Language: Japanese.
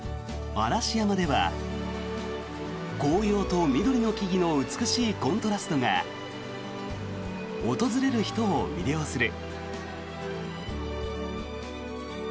嵐山では紅葉と緑の木々の美しいコントラストが訪れる人を魅了する。